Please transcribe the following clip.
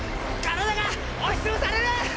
体が押し潰される！